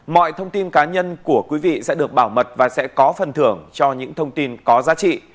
mọi thông tin cá nhân của quý vị sẽ được bảo mật và sẽ có phần thưởng cho những thông tin có giá trị